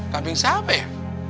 kambing siapa ya